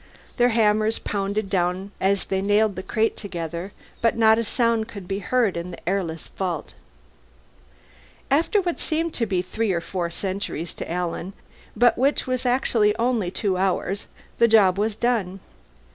Their hammers pounded down as they nailed the crate together, but not a sound could be heard in the airless vault. After what seemed to be three or four centuries to Alan, but which was actually only two hours, the job was done.